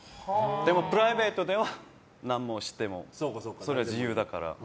でも、プライベートでは何をしても、それは自由だから。